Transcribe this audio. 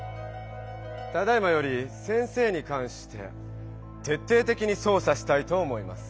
ただいまより先生にかんしててっていてきに捜査したいと思います。